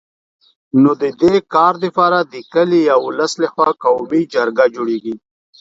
نو د دي کار دپاره د کلي یا ولس له خوا قومي جرګه جوړېږي